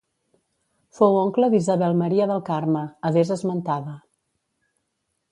Fou oncle d'Isabel Maria del Carme, adés esmentada.